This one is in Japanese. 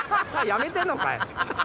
やめてんのかい！